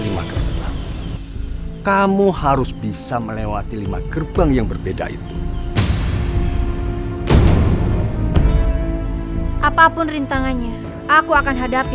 lima gerbang kamu harus bisa melewati lima gerbang yang berbeda itu apapun rintangannya aku akan hadapi